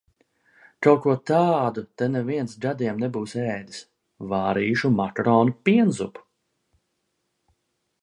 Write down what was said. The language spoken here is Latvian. Kaut ko tādu te neviens gadiem nebūs ēdis. Vārīšu makaronu pienzupu.